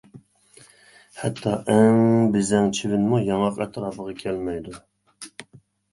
ھەتتا ئەڭ بېزەڭ چىۋىنمۇ ياڭاق ئەتراپىغا كەلمەيدۇ.